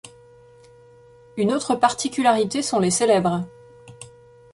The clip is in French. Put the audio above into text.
Une autre particularité sont les célèbres '.